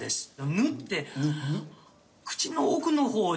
「ぬ」って口の奥の方で。